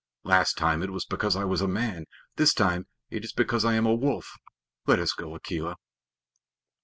Last time it was because I was a man. This time it is because I am a wolf. Let us go, Akela."